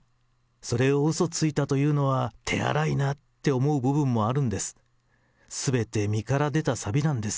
それをうそついたというのは手荒いなって思う部分もあるんです。